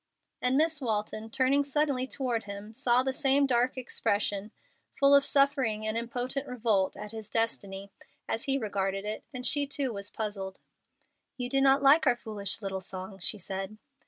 And Miss Walton, turning suddenly toward him, saw the same dark expression, full of suffering and impotent revolt at his destiny, as he regarded it, and she too was puzzled. "You do not like our foolish little song," she said.